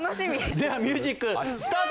ではミュージックスタート！